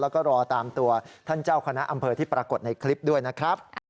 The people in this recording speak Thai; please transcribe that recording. แล้วก็รอตามตัวท่านเจ้าคณะอำเภอที่ปรากฏในคลิปด้วยนะครับ